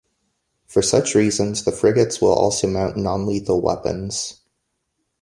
For such reasons, the frigates will also mount non-lethal weapons.